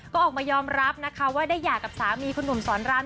ก็ออกไปยอมรับว่าได้หย่ากับสามีคุณนุ่มสรรราม